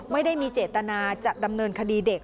ไม่ได้มีเจตนาจะดำเนินคดีเด็ก